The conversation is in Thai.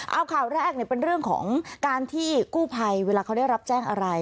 เอาข่าวแรกเป็นเรื่องของการที่กู้ภัยเวลาเขาได้รับแจ้งอะไร